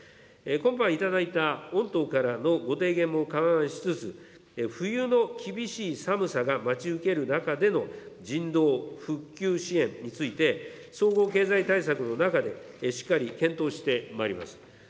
今般頂いた、御党からのご提言も勘案しつつ、冬の厳しい寒さが待ち受ける中での人道、復旧支援について、総合経済対策の中でしっかり検討してまいります。